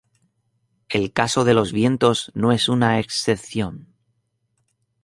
El caso de los vientos no es una excepción.